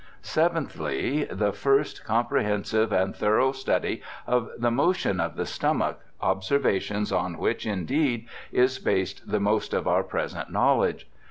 Seventhly, the first comprehensive and thorough study of the motions of the stomach, obser\'ations on which, indeed, is based the most of our present know ledge.